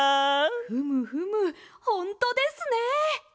ふむふむほんとですね！